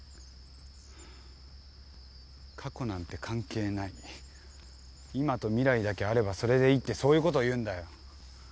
過去なんて関係ない今と未来だけあればそれでいいってそういうことを言うんだよ。